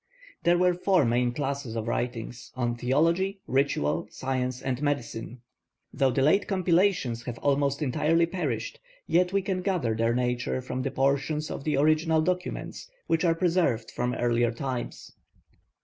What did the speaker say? There were four main classes of writings, on theology, ritual, science, and medicine. Though the late compilations have almost entirely perished, yet we can gather their nature from the portions of the original documents which are preserved from earlier times.